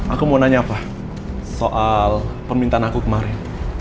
aku mau nanya apa soal permintaan aku kemarin